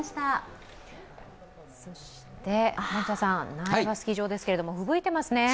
苗場スキー場ですけれども、ふぶいていますね。